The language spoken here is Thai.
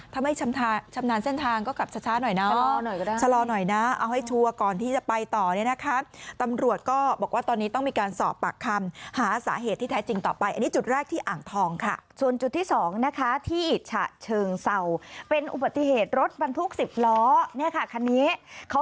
ถ้าไม่ชำนาญเส้นทางก็กลับช้าหน่อยนะ